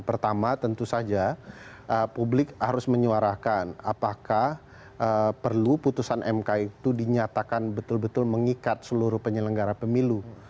pertama tentu saja publik harus menyuarakan apakah perlu putusan mk itu dinyatakan betul betul mengikat seluruh penyelenggara pemilu